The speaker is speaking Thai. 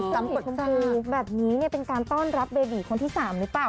สัมผิดคุณครูแบบนี้เนี่ยเป็นการต้อนรับเบบี้คนที่๓หรือเปล่า